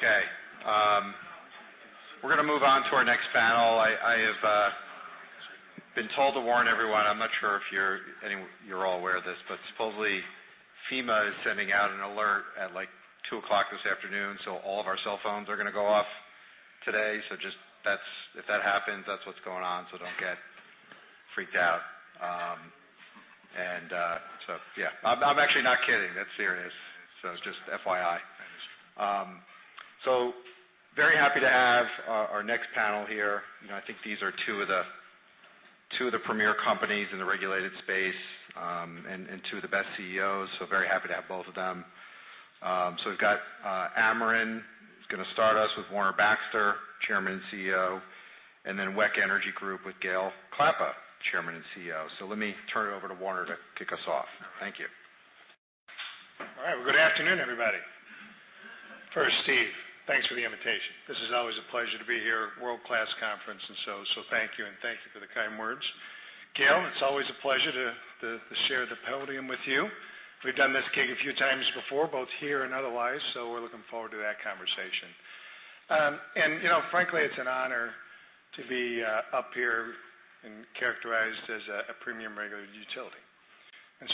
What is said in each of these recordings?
Okay. We're going to move on to our next panel. I have been told to warn everyone, I'm not sure if you're all aware of this, but supposedly FEMA is sending out an alert at 2:00 this afternoon, so all of our cell phones are going to go off today. If that happens, that's what's going on, so don't get freaked out. Yeah. I'm actually not kidding, that's serious. Just FYI. Very happy to have our next panel here. I think these are two of the premier companies in the regulated space, and two of the best CEOs, so very happy to have both of them. We've got Ameren, who's going to start us with Warner Baxter, Chairman and CEO. WEC Energy Group with Gale Klappa, Chairman and CEO. Let me turn it over to Warner to kick us off. Thank you. All right. Well, good afternoon, everybody. First, Steve, thanks for the invitation. This is always a pleasure to be here. World-class conference, thank you, and thank you for the kind words. Gale, it's always a pleasure to share the podium with you. We've done this gig a few times before, both here and otherwise, so we're looking forward to that conversation. Frankly, it's an honor to be up here and characterized as a premium-regulated utility.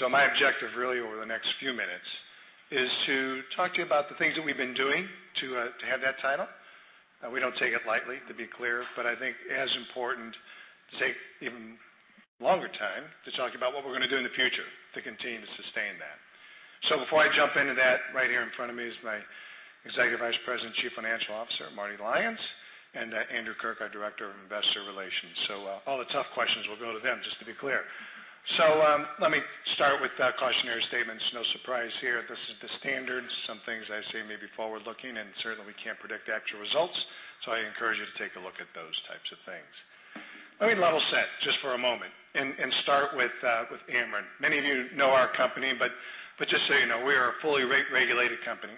My objective really over the next few minutes is to talk to you about the things that we've been doing to have that title. We don't take it lightly, to be clear, but I think as important to take even longer time to talk about what we're going to do in the future to continue to sustain that. Before I jump into that, right here in front of me is my Executive Vice President, Chief Financial Officer, Marty Lyons, and Andrew Kirk, our Director of Investor Relations. All the tough questions will go to them, just to be clear. Let me start with cautionary statements. No surprise here. This is the standard. Some things I say may be forward-looking, and certainly we can't predict actual results, so I encourage you to take a look at those types of things. Let me level set just for a moment and start with Ameren. Many of you know our company, but just so you know, we are a fully rate-regulated company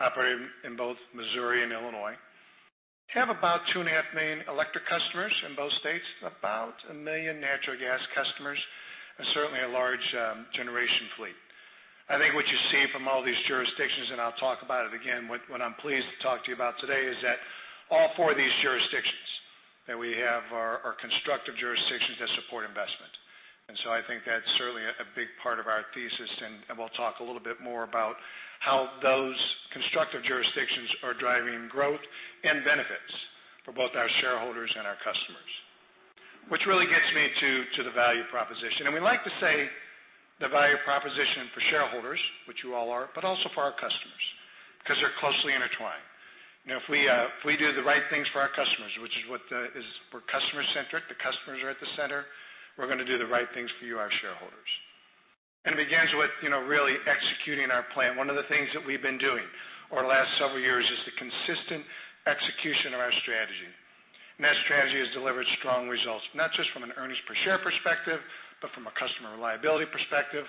operating in both Missouri and Illinois. We have about two and a half million electric customers in both states, about a million natural gas customers, and certainly a large generation fleet. I think what you see from all these jurisdictions, I'll talk about it again, what I'm pleased to talk to you about today is that all four of these jurisdictions that we have are constructive jurisdictions that support investment. I think that's certainly a big part of our thesis, we'll talk a little bit more about how those constructive jurisdictions are driving growth and benefits for both our shareholders and our customers, which really gets me to the value proposition. We like to say the value proposition for shareholders, which you all are, but also for our customers, because they're closely intertwined. If we do the right things for our customers, we're customer-centric, the customers are at the center, we're going to do the right things for you, our shareholders. It begins with really executing our plan. One of the things that we've been doing over the last several years is the consistent execution of our strategy. That strategy has delivered strong results, not just from an earnings per share perspective, but from a customer reliability perspective,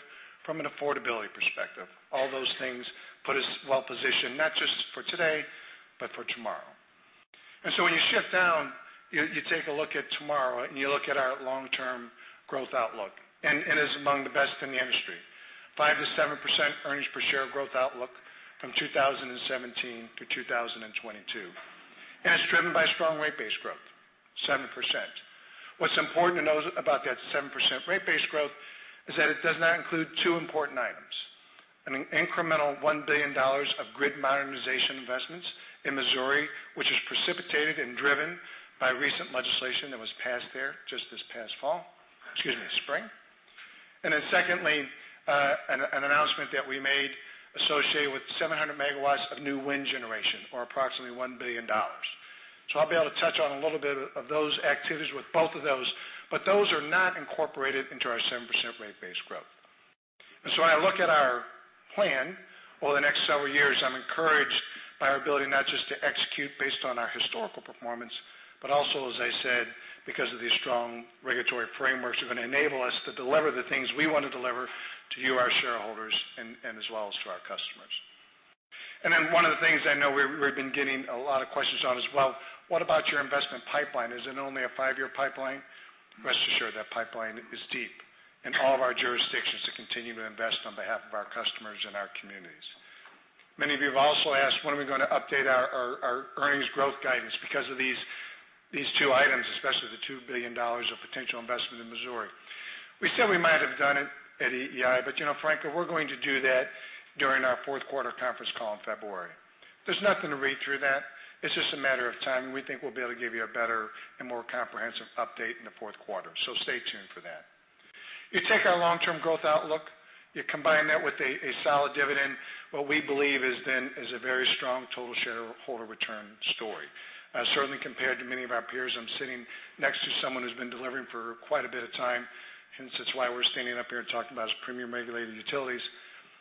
from an affordability perspective. All those things put us well-positioned, not just for today, but for tomorrow. When you shift down, you take a look at tomorrow and you look at our long-term growth outlook. It is among the best in the industry. 5%-7% earnings per share growth outlook from 2017 to 2022. It's driven by strong rate base growth, 7%. What's important to know about that 7% rate base growth is that it does not include two important items, an incremental $1 billion of grid modernization investments in Missouri, which was precipitated and driven by recent legislation that was passed there just this past spring. Secondly, an announcement that we made associated with 700 megawatts of new wind generation, or approximately $1 billion. I'll be able to touch on a little bit of those activities with both of those, but those are not incorporated into our 7% rate base growth. I look at our plan over the next several years. I'm encouraged by our ability not just to execute based on our historical performance, but also, as I said, because of these strong regulatory frameworks are going to enable us to deliver the things we want to deliver to you, our shareholders, as well as to our customers. One of the things I know we've been getting a lot of questions on is, well, what about your investment pipeline? Is it only a five-year pipeline? Rest assured, that pipeline is deep in all of our jurisdictions to continue to invest on behalf of our customers and our communities. Many of you have also asked, when are we going to update our earnings growth guidance because of these two items, especially the $2 billion of potential investment in Missouri? We said we might have done it at EEI, frankly, we're going to do that during our fourth quarter conference call in February. There's nothing to read through that. It's just a matter of time, we think we'll be able to give you a better and more comprehensive update in the fourth quarter. Stay tuned for that. You take our long-term growth outlook, you combine that with a solid dividend, what we believe then is a very strong total shareholder return story. Certainly compared to many of our peers, I'm sitting next to someone who's been delivering for quite a bit of time, hence it's why we're standing up here talking about his premium-regulated utilities.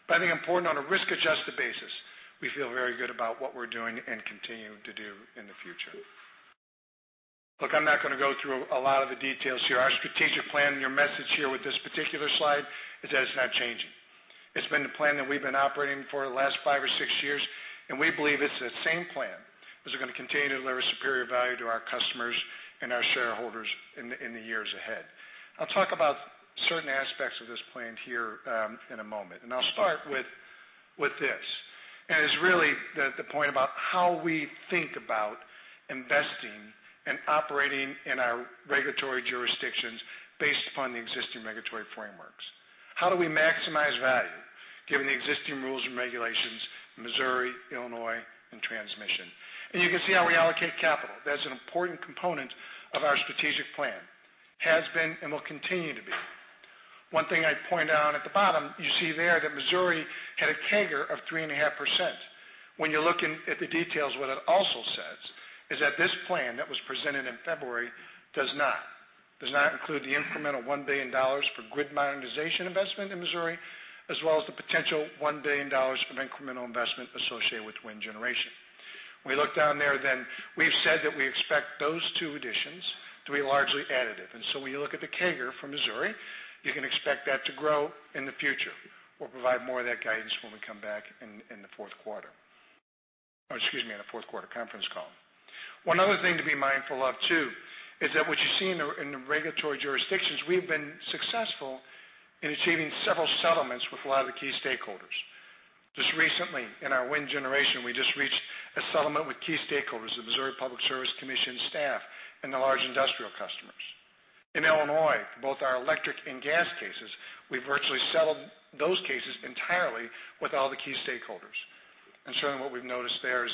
I think important on a risk-adjusted basis, we feel very good about what we're doing and continue to do in the future. Look, I'm not going to go through a lot of the details here. Our strategic plan and your message here with this particular slide is that it's not changing. It's been the plan that we've been operating for the last 5 or 6 years, we believe it's the same plan. Going to continue to deliver superior value to our customers and our shareholders in the years ahead. I'll talk about certain aspects of this plan here in a moment, I'll start with this. It's really the point about how we think about investing and operating in our regulatory jurisdictions based upon the existing regulatory frameworks. How do we maximize value given the existing rules and regulations in Missouri, Illinois, and transmission? You can see how we allocate capital. That's an important component of our strategic plan. Has been and will continue to be. One thing I'd point out at the bottom, you see there that Missouri had a CAGR of 3.5%. When you look at the details, what it also says is that this plan that was presented in February does not include the incremental $1 billion for grid modernization investment in Missouri, as well as the potential $1 billion of incremental investment associated with wind generation. When we look down there, we've said that we expect those two additions to be largely additive. When you look at the CAGR for Missouri, you can expect that to grow in the future. We'll provide more of that guidance when we come back in the fourth quarter. Excuse me, on the fourth quarter conference call. One other thing to be mindful of, too, is that what you see in the regulatory jurisdictions, we've been successful in achieving several settlements with a lot of the key stakeholders. Just recently in our wind generation, we just reached a settlement with key stakeholders, the Missouri Public Service Commission staff, and the large industrial customers. In Illinois, both our electric and gas cases, we've virtually settled those cases entirely with all the key stakeholders. Certainly what we've noticed there is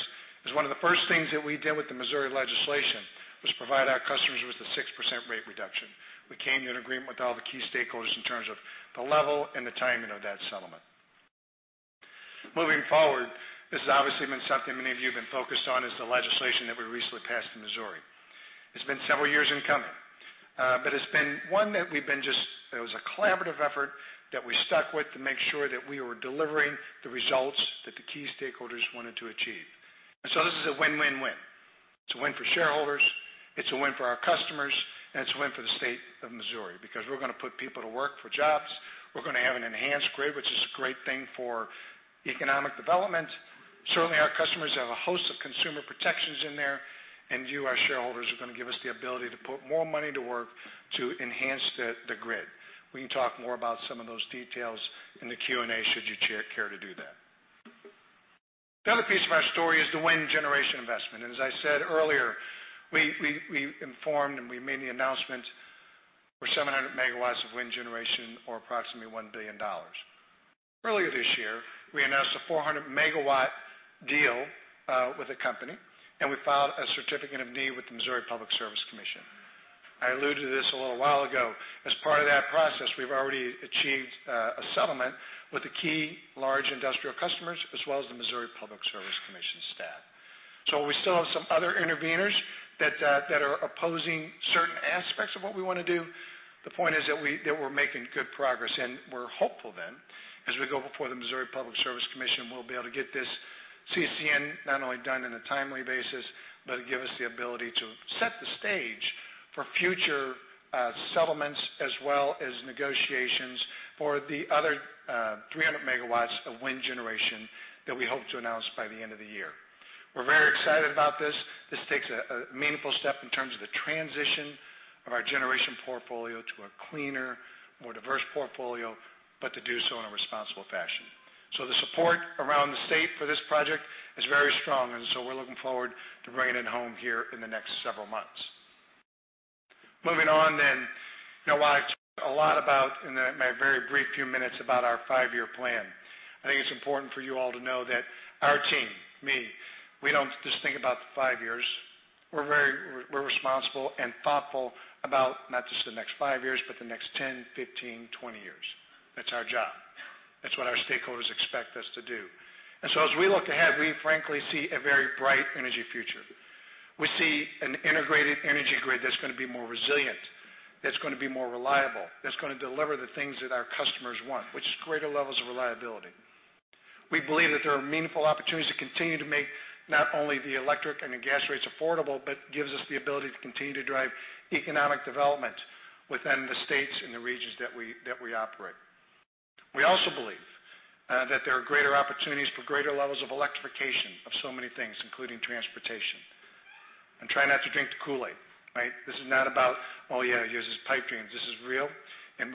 one of the first things that we did with the Missouri legislation was provide our customers with a 6% rate reduction. We came to an agreement with all the key stakeholders in terms of the level and the timing of that settlement. Moving forward, this has obviously been something many of you have been focused on, is the legislation that we recently passed in Missouri. It's been several years in coming. It's been one that it was a collaborative effort that we stuck with to make sure that we were delivering the results that the key stakeholders wanted to achieve. This is a win-win-win. It's a win for shareholders, it's a win for our customers, and it's a win for the state of Missouri because we're going to put people to work for jobs. We're going to have an enhanced grid, which is a great thing for economic development. Certainly, our customers have a host of consumer protections in there, and you, our shareholders, are going to give us the ability to put more money to work to enhance the grid. We can talk more about some of those details in the Q&A should you care to do that. The other piece of our story is the wind generation investment. As I said earlier, we informed and we made the announcement for 700 megawatts of wind generation, or approximately $1 billion. Earlier this year, we announced a 400-megawatt deal with a company, and we filed a certificate of need with the Missouri Public Service Commission. I alluded to this a little while ago. As part of that process, we've already achieved a settlement with the key large industrial customers, as well as the Missouri Public Service Commission staff. We still have some other interveners that are opposing certain aspects of what we want to do. The point is that we're making good progress, and we're hopeful as we go before the Missouri Public Service Commission, we'll be able to get this CCN not only done in a timely basis but give us the ability to set the stage for future settlements as well as negotiations for the other 300 megawatts of wind generation that we hope to announce by the end of the year. We're very excited about this. This takes a meaningful step in terms of the transition of our generation portfolio to a cleaner, more diverse portfolio, but to do so in a responsible fashion. The support around the state for this project is very strong, and so we're looking forward to bringing it home here in the next several months. Moving on. I've talked a lot about, in my very brief few minutes, about our five-year plan. I think it's important for you all to know that our team, me, we don't just think about the five years. We're responsible and thoughtful about not just the next five years, but the next 10, 15, 20 years. That's our job. That's what our stakeholders expect us to do. As we look ahead, we frankly see a very bright energy future. We see an integrated energy grid that's going to be more resilient, that's going to be more reliable, that's going to deliver the things that our customers want, which is greater levels of reliability. We believe that there are meaningful opportunities to continue to make not only the electric and the gas rates affordable but gives us the ability to continue to drive economic development within the states and the regions that we operate. We also believe that there are greater opportunities for greater levels of electrification of so many things, including transportation. Try not to drink the Kool-Aid. This is not about, oh, yeah, yours is pipe dreams. This is real.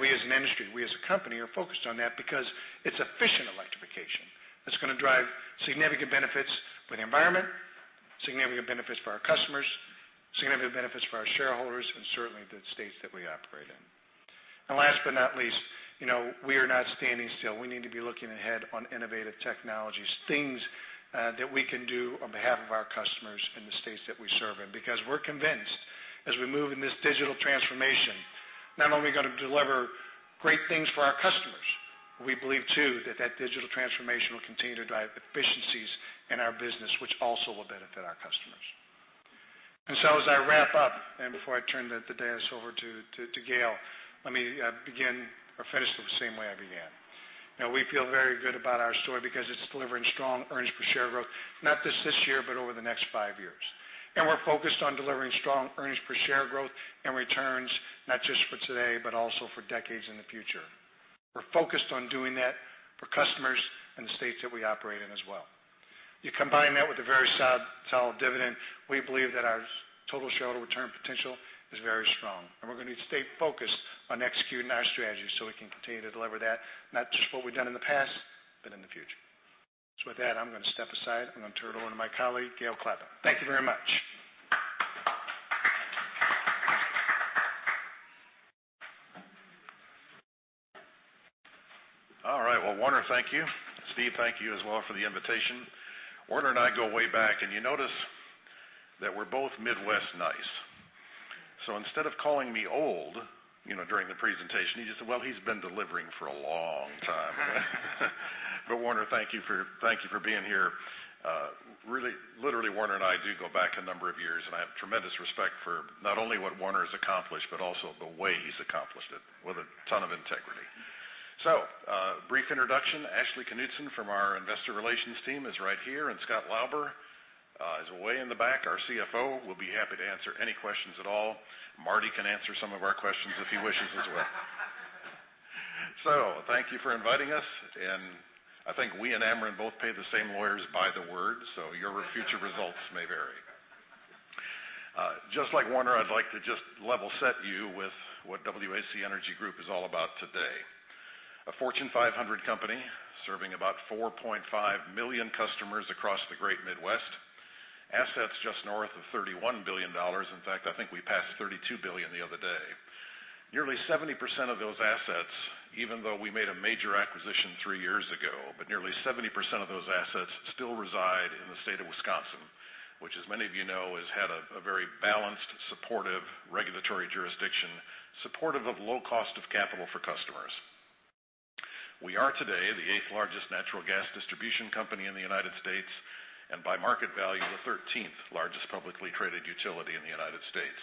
We as an industry, we as a company, are focused on that because it's efficient electrification that's going to drive significant benefits for the environment, significant benefits for our customers, significant benefits for our shareholders, and certainly the states that we operate in. Last but not least, we are not standing still. We need to be looking ahead on innovative technologies, things that we can do on behalf of our customers in the states that we serve in. We're convinced as we move in this digital transformation, not only going to deliver great things for our customers, we believe too that that digital transformation will continue to drive efficiencies in our business, which also will benefit our customers. As I wrap up and before I turn the dais over to Gale, let me finish the same way I began. We feel very good about our story because it's delivering strong earnings per share growth, not just this year, but over the next five years. We're focused on delivering strong earnings per share growth and returns, not just for today, but also for decades in the future. We're focused on doing that for customers in the states that we operate in as well. You combine that with a very solid dividend, we believe that our total shareholder return potential is very strong, and we're going to stay focused on executing our strategy so we can continue to deliver that, not just what we've done in the past, but in the future. With that, I'm going to step aside. I'm going to turn it over to my colleague, Gale Klappa. Thank you very much. All right. Well, Warner, thank you. Steve, thank you as well for the invitation. Warner and I go way back, and you notice that we're both Midwest nice. Instead of calling me old during the presentation, he just said, "Well, he's been delivering for a long time." But Warner, thank you for being here. Literally, Warner and I do go back a number of years, and I have tremendous respect for not only what Warner's accomplished, but also the way he's accomplished it, with a ton of integrity. So, a brief introduction. Ashley Knutson from our investor relations team is right here, and Scott Lauber is way in the back, our CFO, will be happy to answer any questions at all. Marty can answer some of our questions if he wishes as well. Thank you for inviting us, I think we and Ameren both pay the same lawyers by the word, your future results may vary. Just like Warner, I'd like to just level set you with what WEC Energy Group is all about today. A Fortune 500 company serving about 4.5 million customers across the great Midwest. Assets just north of $31 billion. In fact, I think we passed $32 billion the other day. Nearly 70% of those assets, even though we made a major acquisition three years ago, nearly 70% of those assets still reside in the state of Wisconsin, which as many of you know, has had a very balanced, supportive regulatory jurisdiction, supportive of low cost of capital for customers. We are today the eighth largest natural gas distribution company in the U.S., by market value, the 13th largest publicly traded utility in the U.S.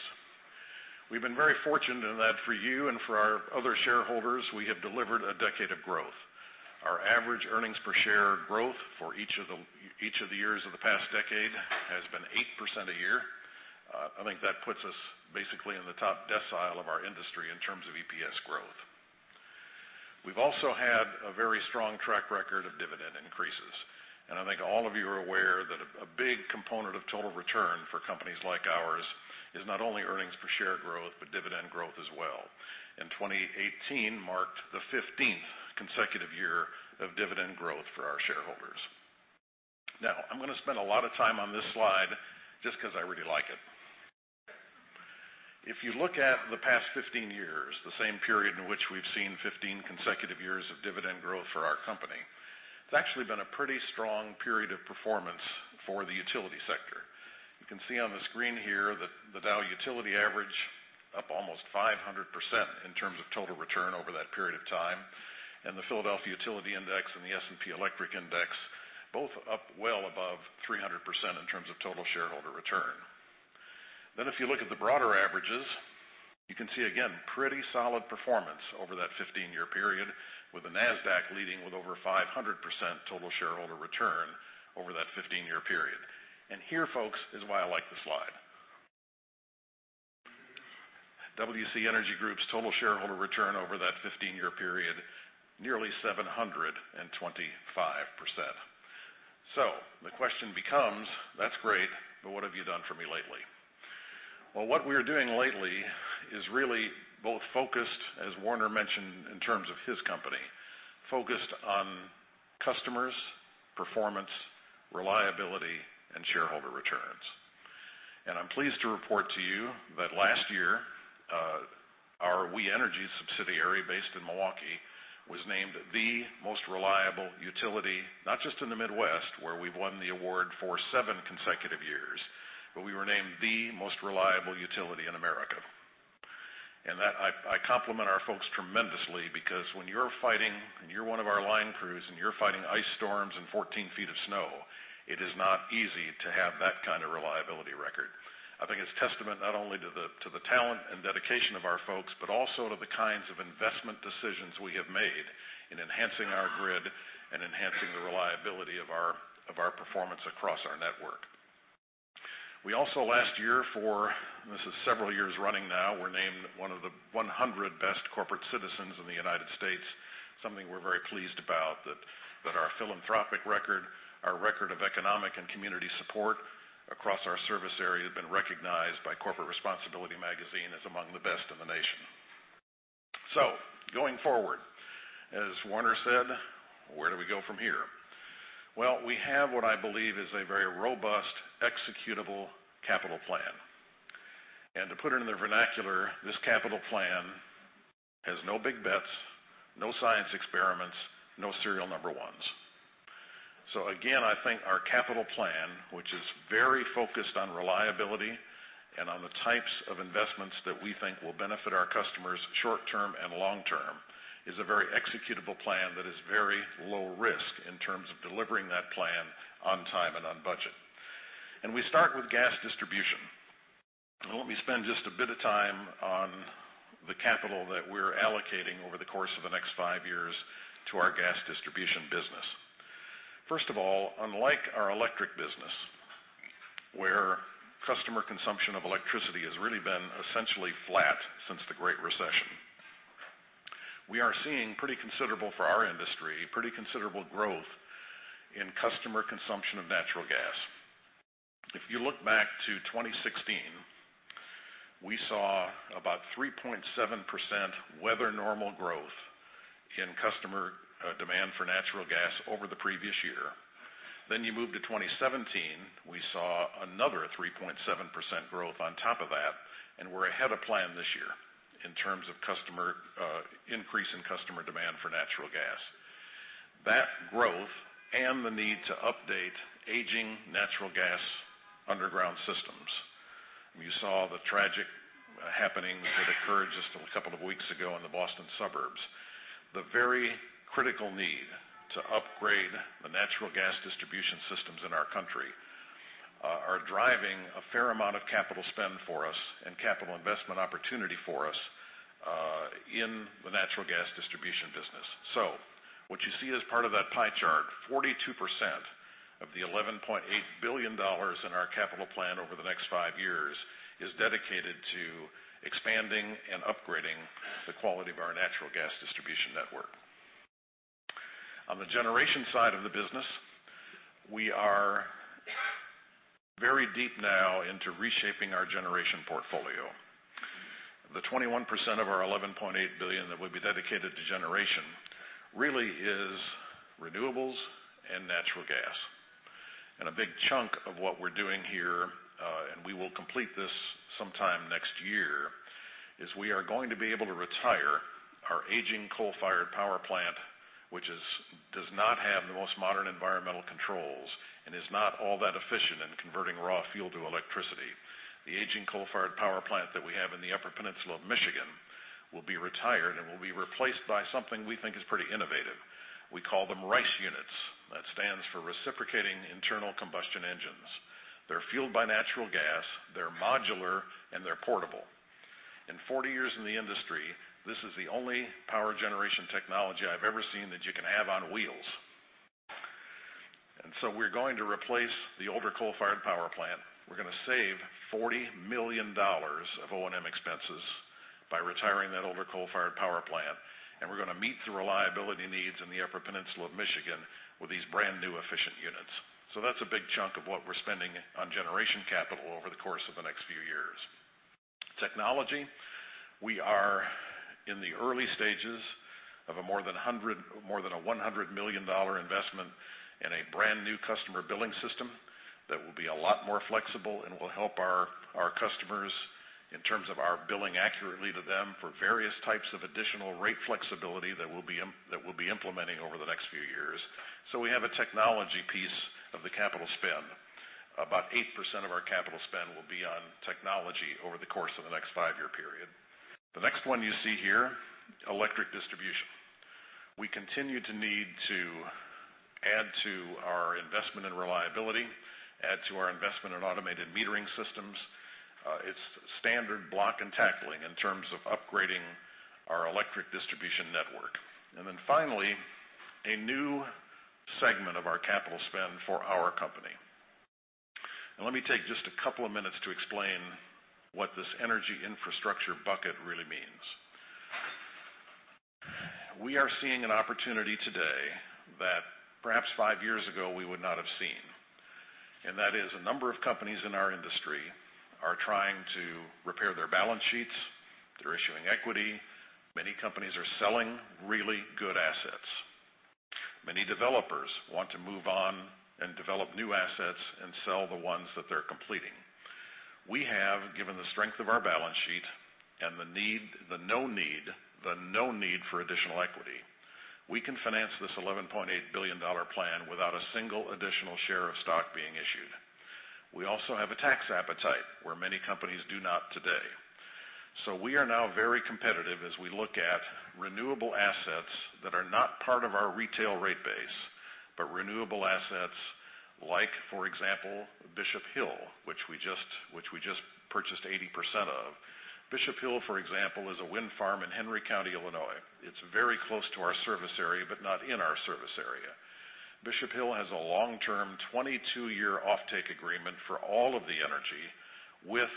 We've been very fortunate in that for you and for our other shareholders, we have delivered a decade of growth. Our average earnings per share growth for each of the years of the past decade has been 8% a year. I think that puts us basically in the top decile of our industry in terms of EPS growth. We've also had a very strong track record of dividend increases, I think all of you are aware that a big component of total return for companies like ours is not only earnings per share growth, but dividend growth as well. 2018 marked the 15th consecutive year of dividend growth for our shareholders. I'm going to spend a lot of time on this slide just because I really like it. If you look at the past 15 years, the same period in which we've seen 15 consecutive years of dividend growth for our company, it's actually been a pretty strong period of performance for the utility sector. You can see on the screen here that the Dow Utility Average up almost 500% in terms of total return over that period of time, the Philadelphia Utility Index and the S&P Electric Index both up well above 300% in terms of total shareholder return. If you look at the broader averages, you can see again, pretty solid performance over that 15-year period with the Nasdaq leading with over 500% total shareholder return over that 15-year period. Here, folks, is why I like this slide. WEC Energy Group's total shareholder return over that 15-year period, nearly 725%. The question becomes, that's great, what have you done for me lately? What we are doing lately is really both focused, as Warner mentioned in terms of his company, focused on customers, performance, reliability, and shareholder returns. I'm pleased to report to you that last year, our We Energies subsidiary based in Milwaukee was named the most reliable utility, not just in the Midwest, where we've won the award for seven consecutive years, but we were named the most reliable utility in America. I compliment our folks tremendously because when you're one of our line crews and you're fighting ice storms and 14 feet of snow, it is not easy to have that kind of reliability record. I think it's testament not only to the talent and dedication of our folks, but also to the kinds of investment decisions we have made in enhancing our grid and enhancing the reliability of our performance across our network. We also last year, this is several years running now, were named one of the 100 best corporate citizens in the U.S. Something we're very pleased about, that our philanthropic record, our record of economic and community support across our service area has been recognized by Corporate Responsibility Magazine as among the best in the nation. Going forward, as Warner said, where do we go from here? We have what I believe is a very robust executable capital plan, to put it in the vernacular, this capital plan has no big bets, no science experiments, no serial number 1s. Again, I think our capital plan, which is very focused on reliability and on the types of investments that we think will benefit our customers short-term and long-term, is a very executable plan that is very low risk in terms of delivering that plan on time and on budget. We start with gas distribution. Let me spend just a bit of time on the capital that we're allocating over the course of the next five years to our gas distribution business. First of all, unlike our electric business, where customer consumption of electricity has really been essentially flat since the Great Recession, we are seeing, for our industry, pretty considerable growth in customer consumption of natural gas. If you look back to 2016, we saw about 3.7% weather normal growth in customer demand for natural gas over the previous year. You move to 2017, we saw another 3.7% growth on top of that, and we're ahead of plan this year in terms of increase in customer demand for natural gas. That growth and the need to update aging natural gas underground systems, the very critical need to upgrade the natural gas distribution systems in our country are driving a fair amount of capital spend for us and capital investment opportunity for us in the natural gas distribution business. You saw the tragic happening that occurred just a couple of weeks ago in the Boston suburbs. What you see as part of that pie chart, 42% of the $11.8 billion in our capital plan over the next five years is dedicated to expanding and upgrading the quality of our natural gas distribution network. On the generation side of the business, we are very deep now into reshaping our generation portfolio. The 21% of our $11.8 billion that will be dedicated to generation really is renewables and natural gas. A big chunk of what we're doing here, and we will complete this sometime next year, is we are going to be able to retire our aging coal-fired power plant, which does not have the most modern environmental controls and is not all that efficient in converting raw fuel to electricity. The aging coal-fired power plant that we have in the Upper Peninsula of Michigan will be retired and will be replaced by something we think is pretty innovative. We call them RICE units. That stands for Reciprocating Internal Combustion Engines. They're fueled by natural gas, they're modular, and they're portable. In 40 years in the industry, this is the only power generation technology I've ever seen that you can have on wheels. We're going to replace the older coal-fired power plant. We're going to save $40 million of O&M expenses by retiring that older coal-fired power plant, and we're going to meet the reliability needs in the Upper Peninsula of Michigan with these brand-new efficient units. That's a big chunk of what we're spending on generation capital over the course of the next few years. Technology, we are in the early stages of more than a $100 million investment in a brand-new customer billing system that will be a lot more flexible and will help our customers in terms of our billing accurately to them for various types of additional rate flexibility that we'll be implementing over the next few years. We have a technology piece of the capital spend. About 8% of our capital spend will be on technology over the course of the next five-year period. The next one you see here, electric distribution. We continue to need to add to our investment in reliability, add to our investment in automated metering systems. It's standard block-and-tackling in terms of upgrading our electric distribution network. Finally, a new segment of our capital spend for our company. Let me take just a couple of minutes to explain what this energy infrastructure bucket really means. We are seeing an opportunity today that perhaps five years ago we would not have seen, and that is a number of companies in our industry are trying to repair their balance sheets. They're issuing equity. Many companies are selling really good assets. Many developers want to move on and develop new assets and sell the ones that they're completing. We have, given the strength of our balance sheet and the no need for additional equity. We can finance this $11.8 billion plan without a single additional share of stock being issued. We also have a tax appetite where many companies do not today. We are now very competitive as we look at renewable assets that are not part of our retail rate base, but renewable assets, like, for example, Bishop Hill, which we just purchased 80% of. Bishop Hill, for example, is a wind farm in Henry County, Illinois. It's very close to our service area, but not in our service area. Bishop Hill has a long-term 22-year offtake agreement for all of the energy with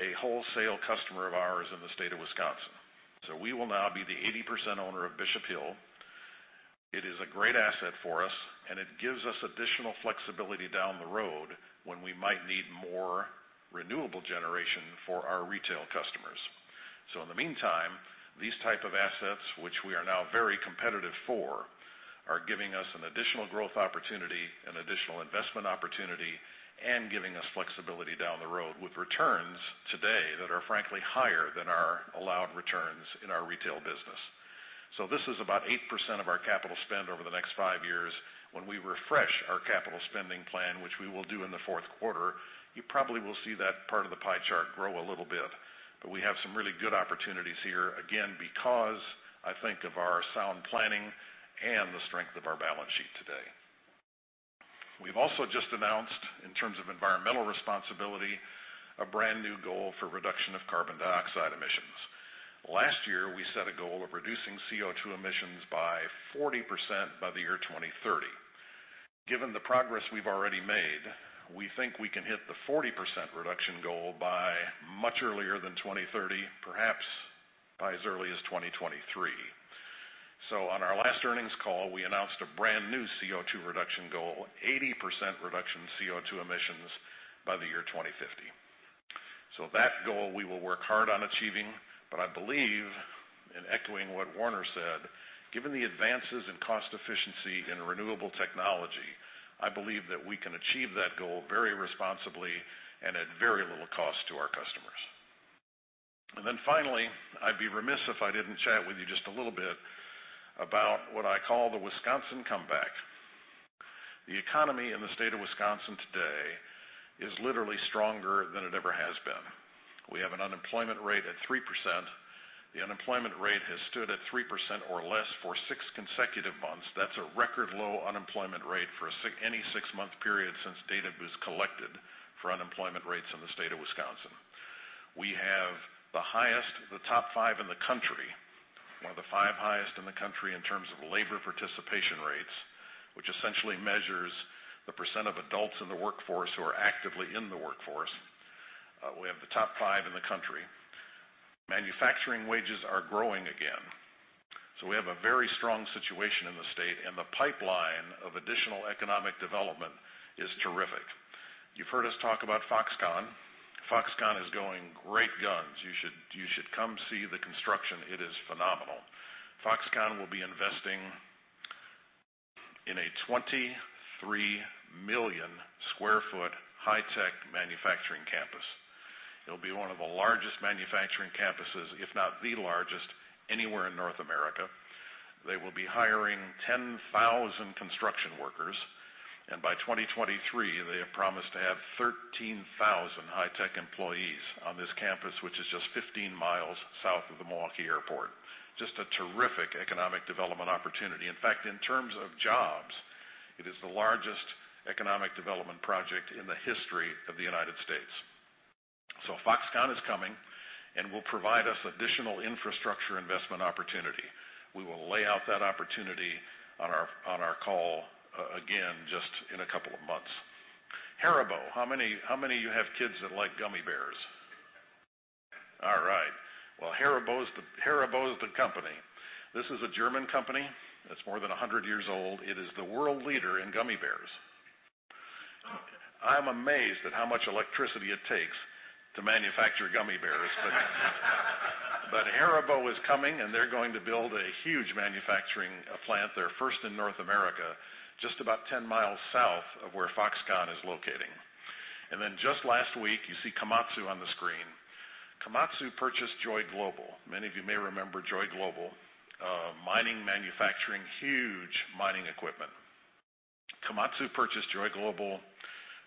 a wholesale customer of ours in the state of Wisconsin. We will now be the 80% owner of Bishop Hill. It is a great asset for us, and it gives us additional flexibility down the road when we might need more renewable generation for our retail customers. In the meantime, these type of assets, which we are now very competitive for, are giving us an additional growth opportunity, an additional investment opportunity, and giving us flexibility down the road with returns today that are frankly higher than our allowed returns in our retail business. This is about 8% of our capital spend over the next five years. We refresh our capital spending plan, which we will do in the fourth quarter, you probably will see that part of the pie chart grow a little bit, but we have some really good opportunities here, again, because I think of our sound planning and the strength of our balance sheet today. We've also just announced, in terms of environmental responsibility, a brand-new goal for reduction of carbon dioxide emissions. Last year, we set a goal of reducing CO2 emissions by 40% by the year 2030. Given the progress we've already made, we think we can hit the 40% reduction goal by much earlier than 2030, perhaps by as early as 2023. On our last earnings call, we announced a brand-new CO2 reduction goal, 80% reduction in CO2 emissions by the year 2050. That goal we will work hard on achieving, but I believe, in echoing what Warner said, given the advances in cost efficiency in renewable technology, I believe that we can achieve that goal very responsibly and at very little cost to our customers. Finally, I'd be remiss if I didn't chat with you just a little bit about what I call the Wisconsin comeback. The economy in the state of Wisconsin today is literally stronger than it ever has been. We have an unemployment rate at 3%. The unemployment rate has stood at 3% or less for six consecutive months. That's a record low unemployment rate for any six-month period since data was collected for unemployment rates in the state of Wisconsin. We have the top five in the country, one of the five highest in the country in terms of labor participation rates, which essentially measures the % of adults in the workforce who are actively in the workforce. We have the top five in the country. Manufacturing wages are growing again. We have a very strong situation in the state, and the pipeline of additional economic development is terrific. You've heard us talk about Foxconn. Foxconn is going great guns. You should come see the construction. It is phenomenal. Foxconn will be investing in a 23-million-square-foot high-tech manufacturing campus. It'll be one of the largest manufacturing campuses, if not the largest, anywhere in North America. They will be hiring 10,000 construction workers, and by 2023, they have promised to have 13,000 high-tech employees on this campus, which is just 15 miles south of the Milwaukee Airport. Just a terrific economic development opportunity. In fact, in terms of jobs, it is the largest economic development project in the history of the U.S. Foxconn is coming and will provide us additional infrastructure investment opportunity. We will lay out that opportunity on our call again just in a couple of months. Haribo. How many of you have kids that like gummy bears? All right. Well, Haribo's the company. This is a German company that's more than 100 years old. It is the world leader in gummy bears. I'm amazed at how much electricity it takes to manufacture gummy bears. Haribo is coming, and they're going to build a huge manufacturing plant, their first in North America, just about 10 miles south of where Foxconn is locating. Just last week, you see Komatsu on the screen. Komatsu purchased Joy Global. Many of you may remember Joy Global, mining, manufacturing huge mining equipment. Komatsu purchased Joy Global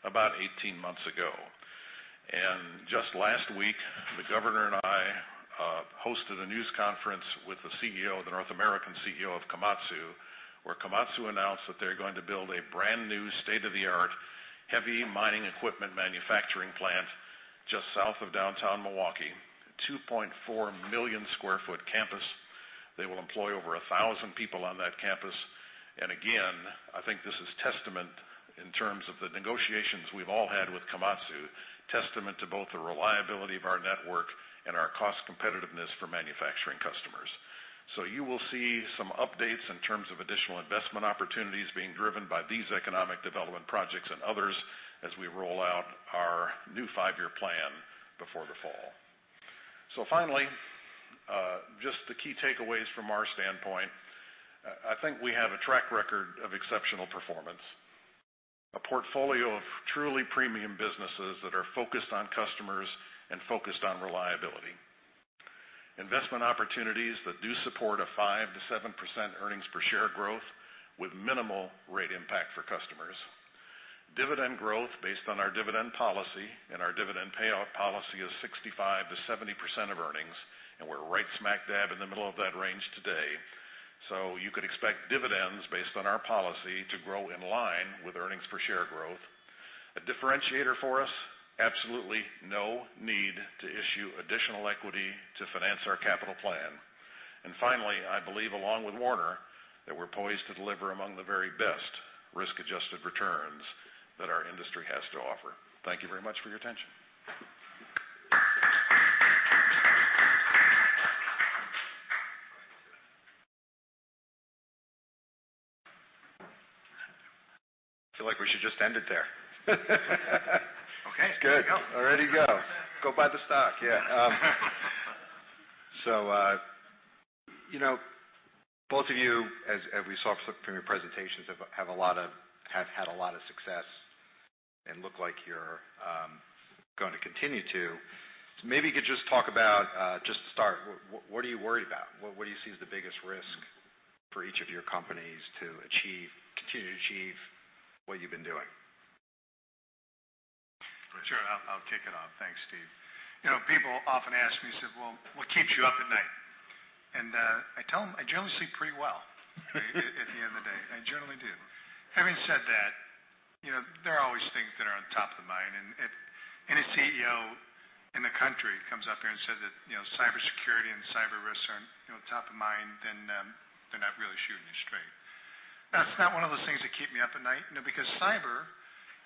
about 18 months ago. Just last week, the governor and I hosted a news conference with the North American CEO of Komatsu, where Komatsu announced that they're going to build a brand-new, state-of-the-art heavy mining equipment manufacturing plant just south of downtown Milwaukee. 2.4 million sq ft campus. They will employ over 1,000 people on that campus. Again, I think this is testament in terms of the negotiations we've all had with Komatsu, testament to both the reliability of our network and our cost competitiveness for manufacturing customers. You will see some updates in terms of additional investment opportunities being driven by these economic development projects and others as we roll out our new five-year plan before the fall. Finally, just the key takeaways from our standpoint. I think we have a track record of exceptional performance. A portfolio of truly premium businesses that are focused on customers and focused on reliability. Investment opportunities that do support a 5%-7% earnings per share growth with minimal rate impact for customers. Dividend growth based on our dividend policy, and our dividend payout policy is 65%-70% of earnings, and we're right smack dab in the middle of that range today. You could expect dividends based on our policy to grow in line with earnings per share growth. A differentiator for us, absolutely no need to issue additional equity to finance our capital plan. Finally, I believe along with Warner, that we're poised to deliver among the very best risk-adjusted returns that our industry has to offer. Thank you very much for your attention. I feel like we should just end it there. Okay. Good. There we go. All righty, go. Go buy the stock, yeah. Both of you, as we saw from your presentations, have had a lot of success and look like you're going to continue to. Maybe you could just talk about, just to start, what are you worried about? What do you see as the biggest risk for each of your companies to continue to achieve what you've been doing? Sure. I'll kick it off. Thanks, Steve. People often ask me, say, "Well, what keeps you up at night? I tell them I generally sleep pretty well at the end of the day. I generally do. Having said that, there are always things that are on top of mind, and any CEO in the country comes up here and says that cybersecurity and cyber risks aren't top of mind, then they're not really shooting you straight. That's not one of those things that keep me up at night. Cyber,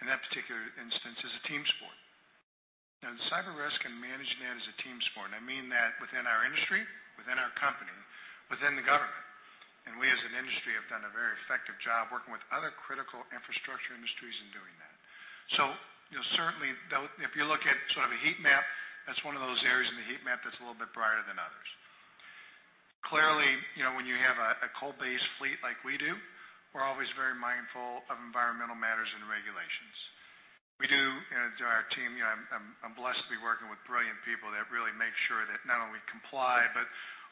in that particular instance, is a team sport. Cyber risk and managing that is a team sport. I mean that within our industry, within our company, within the government. We, as an industry, have done a very effective job working with other critical infrastructure industries in doing that. Certainly, if you look at sort of a heat map, that's one of those areas in the heat map that's a little bit brighter than others. Clearly, when you have a coal-based fleet like we do, we're always very mindful of environmental matters and regulations. Our team, I'm blessed to be working with brilliant people that really make sure that not only comply, but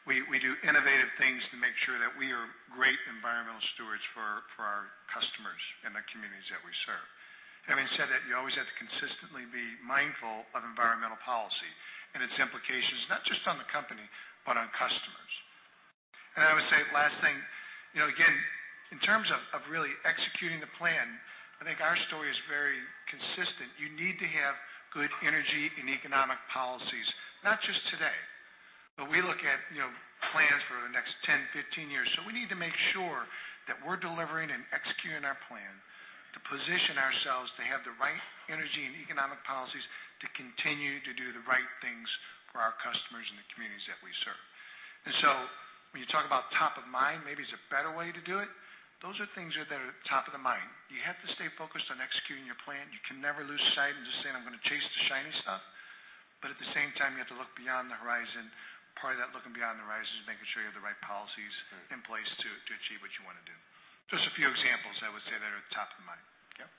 we do innovative things to make sure that we are great environmental stewards for our customers and the communities that we serve. Having said that, you always have to consistently be mindful of environmental policy and its implications, not just on the company, but on customers. I would say last thing, again, in terms of really executing the plan, I think our story is very consistent. You need to have good energy and economic policies, not just today, but we look at plans for the next 10, 15 years. We need to make sure that we're delivering and executing our plan to position ourselves to have the right energy and economic policies to continue to do the right things for our customers and the communities that we serve. When you talk about top of mind, maybe it's a better way to do it. Those are things that are top of the mind. You have to stay focused on executing your plan. You can never lose sight and just saying, "I'm going to chase the shiny stuff." At the same time, you have to look beyond the horizon. Part of that looking beyond the horizon is making sure you have the right policies in place to achieve what you want to do. Just a few examples, I would say that are top of mind. Yep.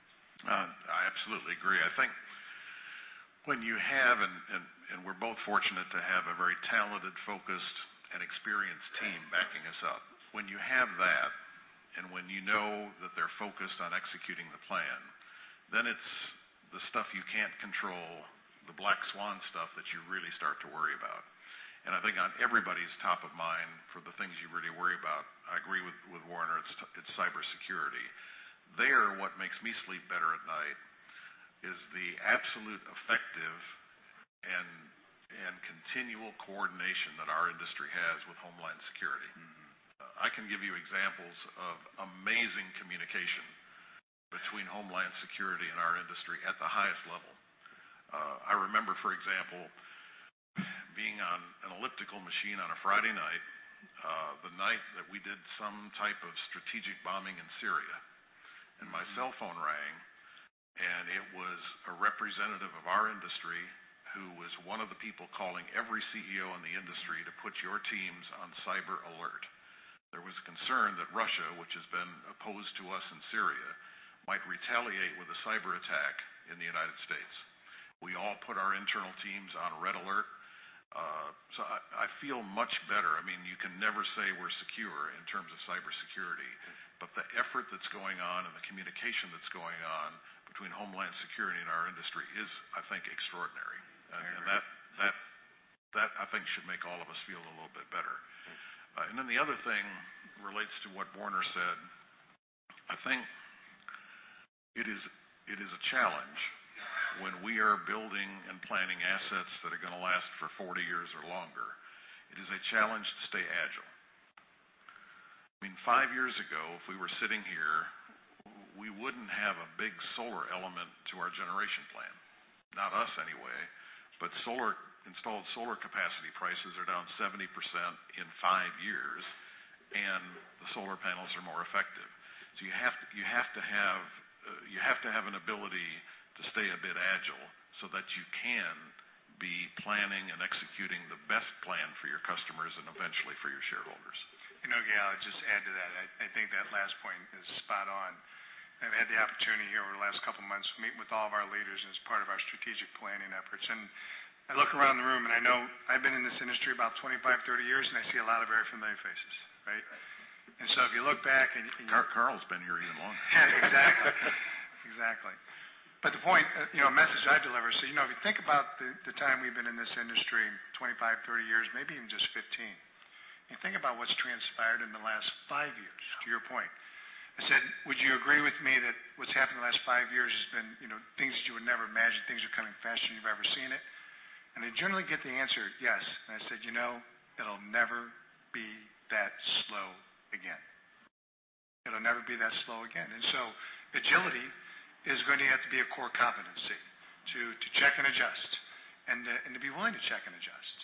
I absolutely agree. I think when you have, we're both fortunate to have a very talented, focused, and experienced team backing us up. When you have that, when you know that they're focused on executing the plan, it's the stuff you can't control, the black swan stuff that you really start to worry about. I think on everybody's top of mind for the things you really worry about, I agree with Warner, it's cybersecurity. There, what makes me sleep better at night is the absolute effective and continual coordination that our industry has with Homeland Security. I can give you examples of amazing communication between Homeland Security and our industry at the highest level. I remember, for example, being on an elliptical machine on a Friday night, the night that we did some type of strategic bombing in Syria. My cell phone rang, it was a representative of our industry who was one of the people calling every CEO in the industry to put your teams on cyber alert. There was concern that Russia, which has been opposed to us in Syria, might retaliate with a cyberattack in the United States. We all put our internal teams on red alert. I feel much better. You can never say we're secure in terms of cybersecurity. Yeah. The effort that's going on and the communication that's going on between Homeland Security and our industry is, I think, extraordinary. I agree. That, I think, should make all of us feel a little bit better. Yes. The other thing relates to what Warner said. I think it is a challenge when we are building and planning assets that are going to last for 40 years or longer. It is a challenge to stay agile. Five years ago, if we were sitting here, we wouldn't have a big solar element to our generation plan. Not us anyway. Installed solar capacity prices are down 70% in five years, and the solar panels are more effective. You have to have an ability to stay a bit agile so that you can be planning and executing the best plan for your customers and eventually for your shareholders. You know, Gale, I'll just add to that. I think that last point is spot on. I've had the opportunity here over the last couple of months to meet with all of our leaders as part of our strategic planning efforts. I look around the room, I know I've been in this industry about 25, 30 years, I see a lot of very familiar faces. Right? Right. If you look back. Carl's been here even longer. Exactly. The point, a message I deliver. If you think about the time we've been in this industry, 25, 30 years, maybe even just 15, and think about what's transpired in the last five years. Yeah to your point. I said, "Would you agree with me that what's happened in the last 5 years has been things that you would never imagine, things are coming faster than you've ever seen it?" I generally get the answer, yes. I said, "It'll never be that slow again." It'll never be that slow again. Agility is going to have to be a core competency to check and adjust and to be willing to check and adjust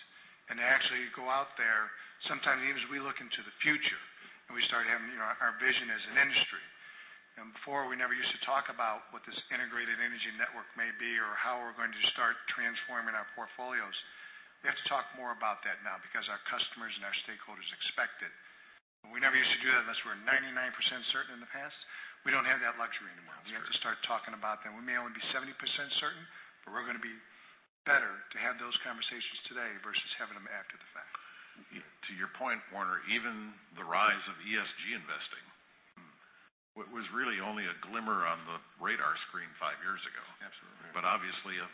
and to actually go out there sometimes even as we look into the future, and we start having our vision as an industry. Before we never used to talk about what this integrated energy network may be or how we're going to start transforming our portfolios. We have to talk more about that now because our customers and our stakeholders expect it. We never used to do that unless we're 99% certain in the past. We don't have that luxury anymore. That's correct. We have to start talking about that. We may only be 70% certain, we're going to be better to have those conversations today versus having them after the fact. To your point, Warner, even the rise of ESG investing. It was really only a glimmer on the radar screen five years ago. Absolutely. Obviously, I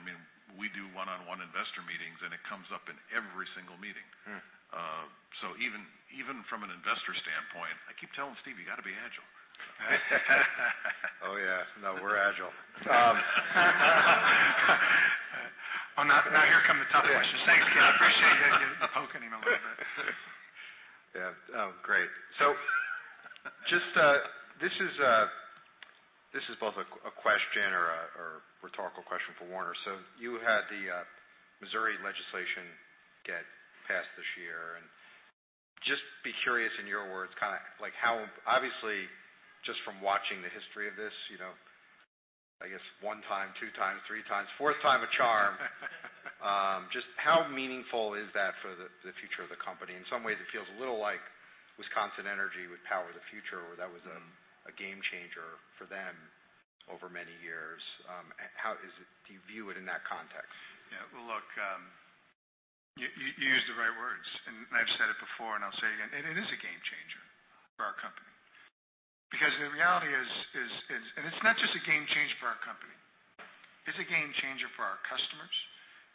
mean, we do one-on-one investor meetings, and it comes up in every single meeting. Even from an investor standpoint, I keep telling Steve, you got to be agile. Oh, yeah. No, we're agile. Now here come the tough questions. Thanks, Gale. I appreciate you poking him a little bit. Yeah. Oh, great. This is both a question or a rhetorical question for Warner. You had the Missouri legislation get passed this year, and just be curious, in your words, obviously, just from watching the history of this, I guess one time, two times, three times, fourth time a charm. Just how meaningful is that for the future of the company? In some ways, it feels a little like Wisconsin Energy with Power the Future, where that was a game-changer for them over many years. Do you view it in that context? Yeah. Well, look, you used the right words, I've said it before and I'll say it again, it is a game-changer for our company. Because the reality is, it's not just a game-changer for our company, it's a game-changer for our customers,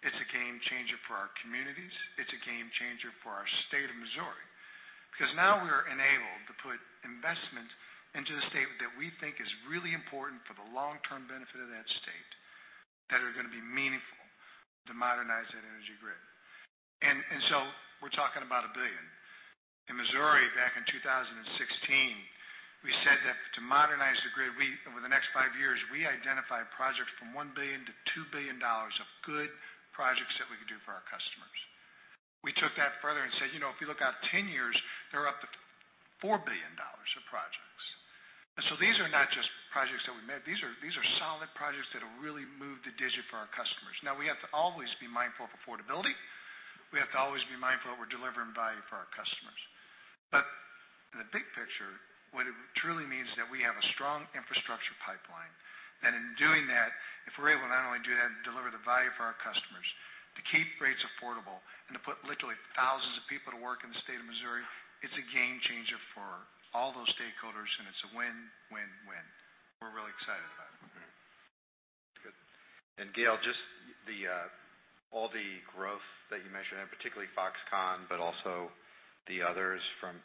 it's a game-changer for our communities, it's a game-changer for our state of Missouri. Because now we are enabled to put investments into the state that we think is really important for the long-term benefit of that state, that are going to be meaningful to modernize that energy grid. We're talking about $1 billion. In Missouri back in 2016, we said that to modernize the grid, over the next five years, we identified projects from $1 billion to $2 billion of good projects that we could do for our customers. We took that further and said, "If you look out 10 years, they're up to $4 billion of projects." These are not just projects that we made. These are solid projects that'll really move the digit for our customers. Now, we have to always be mindful of affordability, we have to always be mindful that we're delivering value for our customers. The big picture, what it truly means is that we have a strong infrastructure pipeline, that in doing that, if we're able to not only do that and deliver the value for our customers, to keep rates affordable and to put literally thousands of people to work in the state of Missouri, it's a game-changer for all those stakeholders, it's a win-win-win. We're really excited about it. Mm-hmm. Good. Gale, just all the growth that you mentioned, particularly Foxconn, also the others from,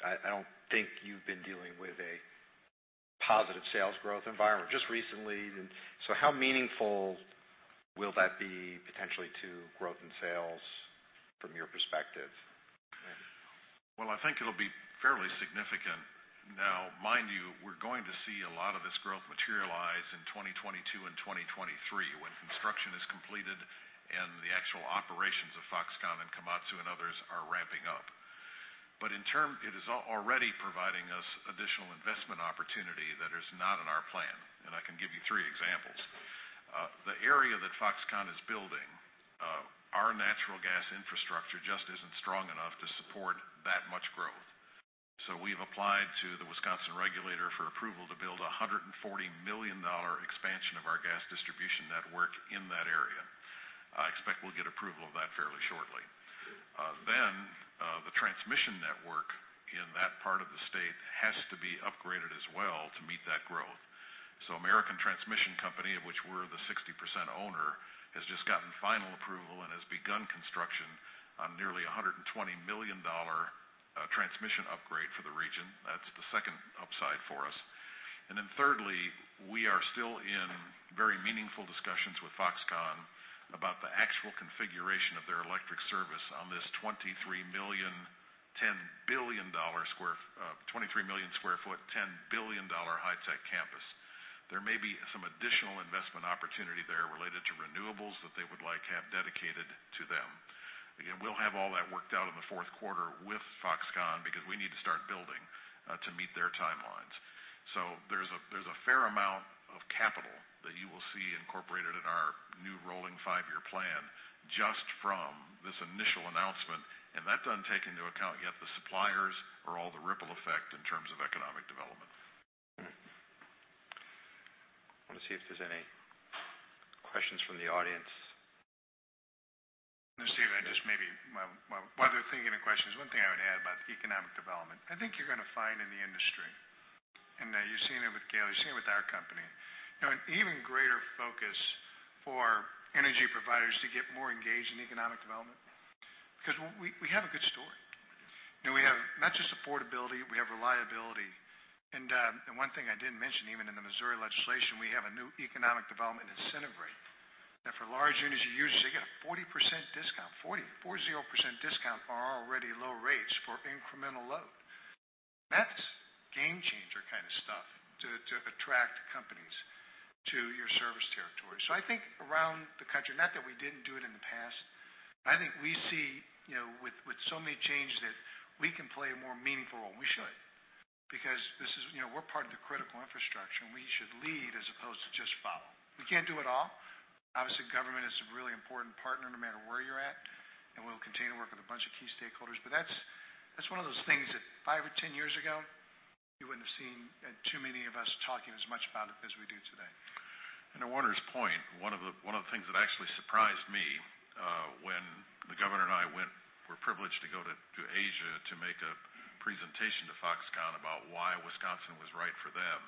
I don't think you've been dealing with a positive sales growth environment. Just recently. How meaningful will that be potentially to growth in sales from your perspective? I think it'll be fairly significant. Mind you, we're going to see a lot of this growth materialize in 2022 and 2023 when construction is completed and the actual operations of Foxconn and Komatsu and others are ramping up. In term, it is already providing us additional investment opportunity that is not in our plan, and I can give you three examples. The area that Foxconn is building, our natural gas infrastructure just isn't strong enough to support that much growth. We've applied to the Wisconsin regulator for approval to build a $140 million expansion of our gas distribution network in that area. I expect we'll get approval of that fairly shortly. The transmission network in that part of the state has to be upgraded as well to meet that growth. American Transmission Company, of which we're the 60% owner, has just gotten final approval and has begun construction on nearly $120 million transmission upgrade for the region. That's the second upside for us. Thirdly, we are still in very meaningful discussions with Foxconn about the actual configuration of their electric service on this 23 million square foot, $10 billion high-tech campus. There may be some additional investment opportunity there related to renewables that they would like to have dedicated to them. Again, we'll have all that worked out in the fourth quarter with Foxconn because we need to start building to meet their timelines. There's a fair amount of capital that you will see incorporated in our new rolling five-year plan just from this initial announcement, and that doesn't take into account yet the suppliers or all the ripple effect in terms of economic development. I want to see if there's any questions from the audience. Steve, just maybe while they're thinking of questions, one thing I would add about the economic development, I think you're going to find in the industry, and you've seen it with Gale, you've seen it with our company, an even greater focus for energy providers to get more engaged in economic development. We have a good story, and we have not just affordability, we have reliability. One thing I didn't mention, even in the Missouri legislation, we have a new economic development incentive rate that for large energy users, they get a 40% discount, 40% discount for our already low rates for incremental load. That's game-changer kind of stuff to attract companies to your service territory. I think around the country, not that we didn't do it in the past, I think we see with so many changes that we can play a more meaningful role, and we should. We're part of the critical infrastructure, and we should lead as opposed to just follow. We can't do it all. Obviously, government is a really important partner no matter where you're at, and we'll continue to work with a bunch of key stakeholders. That's one of those things that five or 10 years ago, you wouldn't have seen too many of us talking as much about it as we do today. To Warner's point, one of the things that actually surprised me when the governor and I were privileged to go to Asia to make a presentation to Foxconn about why Wisconsin was right for them.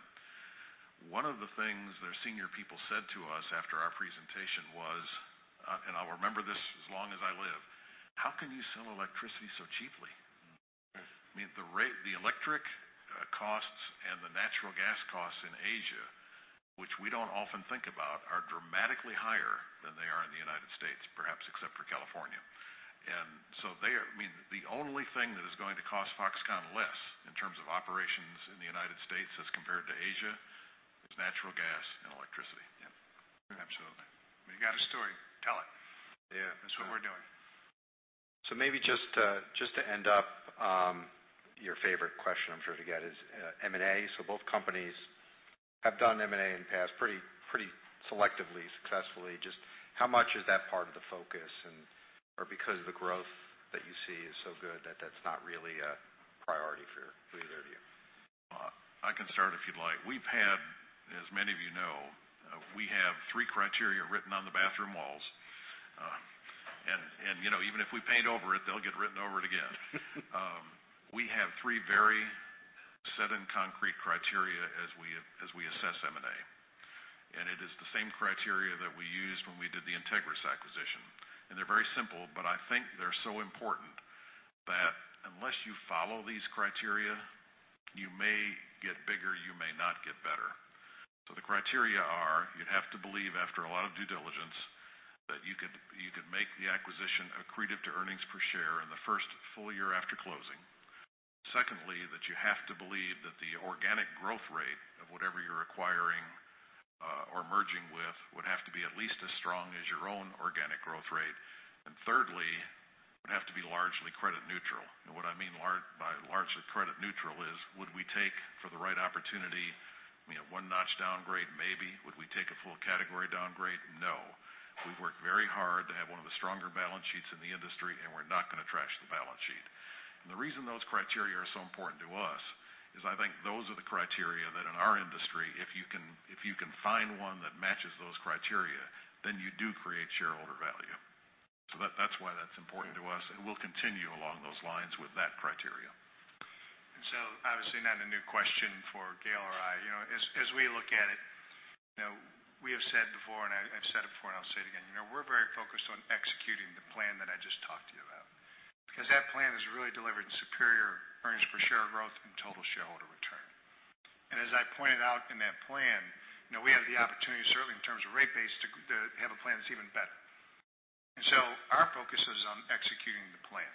One of the things their senior people said to us after our presentation was, and I'll remember this as long as I live, "How can you sell electricity so cheaply? Right. The electric costs and the natural gas costs in Asia, which we don't often think about, are dramatically higher than they are in the U.S., perhaps except for California. The only thing that is going to cost Foxconn less in terms of operations in the U.S. as compared to Asia, is natural gas and electricity. Yep. Absolutely. When you got a story, tell it. Yeah. That's what we're doing. Maybe just to end up, your favorite question I'm sure to get is M&A. Both companies have done M&A in the past pretty selectively, successfully. Just how much is that part of the focus, or because the growth that you see is so good that that's not really a priority for either of you? I can start if you'd like. We've had, as many of you know, we have three criteria written on the bathroom walls. Even if we paint over it, they'll get written over it again. We have three very set in concrete criteria as we assess M&A, and it is the same criteria that we used when we did the Integrys acquisition. They're very simple, but I think they're so important that unless you follow these criteria, you may get bigger, you may not get better. The criteria are, you'd have to believe after a lot of due diligence, that you could make the acquisition accretive to earnings per share in the first full year after closing. Secondly, that you have to believe that the organic growth rate of whatever you're acquiring, or merging with, would have to be at least as strong as your own organic growth rate. Thirdly, would have to be largely credit neutral. What I mean by largely credit neutral is, would we take, for the right opportunity, one notch downgrade? Maybe. Would we take a full category downgrade? No. We've worked very hard to have one of the stronger balance sheets in the industry, and we're not going to trash the balance sheet. The reason those criteria are so important to us is I think those are the criteria that in our industry, if you can find one that matches those criteria, then you do create shareholder value. That's why that's important to us, and we'll continue along those lines with that criteria. Obviously not a new question for Gale or I. As we look at it, we have said before, and I've said it before, and I'll say it again, we're very focused on executing the plan that I just talked to you about. That plan has really delivered superior earnings per share growth and total shareholder return. As I pointed out in that plan, we have the opportunity, certainly in terms of rate base, to have a plan that's even better. Our focus is on executing the plan.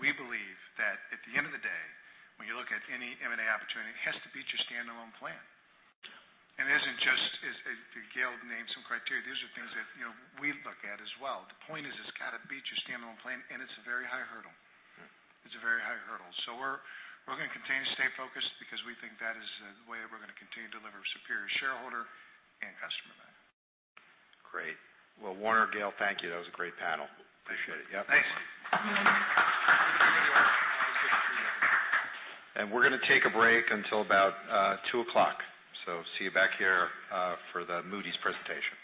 We believe that at the end of the day, when you look at any M&A opportunity, it has to beat your standalone plan. Yeah. It isn't just, Gale named some criteria. These are things that we look at as well. The point is, it's got to beat your standalone plan, and it's a very high hurdle. Yeah. It's a very high hurdle. We're going to continue to stay focused because we think that is the way that we're going to continue to deliver superior shareholder and customer value. Great. Well, Warner, Gale, thank you. That was a great panel. Appreciate it. Thanks. Thanks. We're going to take a break until about 2:00. See you back here for the Moody's presentation.